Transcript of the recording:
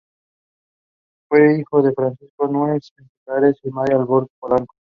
Fue hijo de Francisco Núñez de Cáceres y María Albor Polanco.